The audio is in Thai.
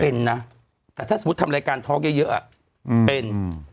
แต่เป็นนะแต่ถ้าสมมุติทำรายการทอล์กเยอะอะเป็น